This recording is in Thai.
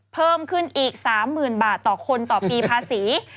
เพิ่มขึ้นอีก๓๐๐๐บาทต่อคนต่อปีภาษี